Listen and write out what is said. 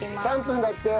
３分だって。